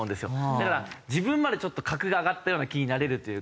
だから自分までちょっと格が上がったような気になれるというか。